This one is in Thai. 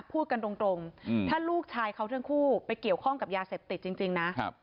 พูดกันตรงถ้าลูกชายเขาทั้งคู่ไปเกี่ยวข้องกับยาเสพติดจริงนะ